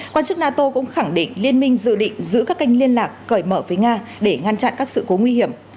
quan chức nato cũng khẳng định liên minh dự định giữ các kênh liên lạc cởi mở với nga để ngăn chặn các sự cố nguy hiểm